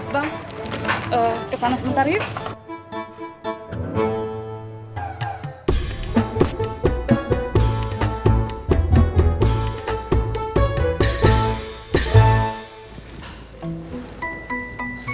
bang kesana sebentar yuk